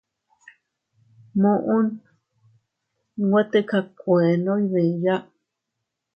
Muʼun nwe tika kuenno iydiya.